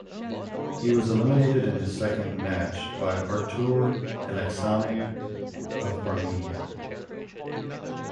He was eliminated in his second match by Artur Aleksanyan of Armenia.